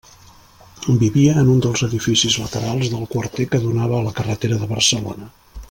Vivia en un dels edificis laterals del quarter que donava a la carretera de Barcelona.